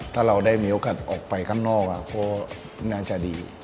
ถ้าเราได้มีโอกาสออกไปข้างนอกก็น่าจะดี